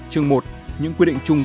trường một những quy định chung